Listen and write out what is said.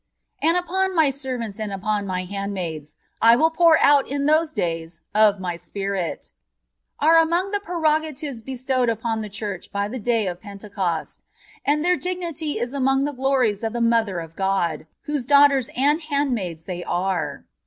. and upon My servants and upon My handmaidens I will pour out in those days of My Spirit," — are among the prero VI PREFACE. gatives bestowed upon the Church by the day of Pentecost. And their dignity is among the glorìes of the Mother of God, whose daughters and handmaìds they are.